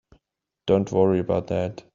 Don't worry about that.